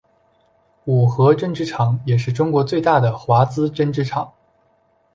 五和针织厂也是中国最大的华资针织厂。